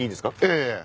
ええ。